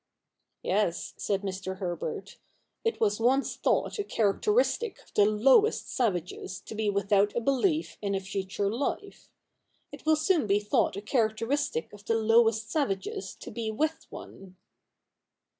' Yes,' said Mr. Herbert, ' it was once thought a characteristic of the lowest savages to be without a belief in a future life. It will soon be thought a characteristic of the lowest savages to be with one.'